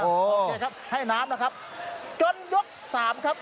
โอเคครับให้น้ำนะครับจนยกสามครับ